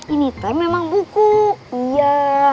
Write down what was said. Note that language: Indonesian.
ini temen buku iya